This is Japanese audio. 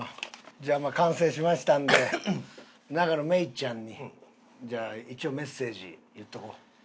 じゃあまあ完成しましたんで永野芽郁ちゃんにじゃあ一応メッセージ言っておこう。